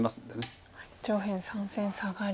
上辺３線サガリ。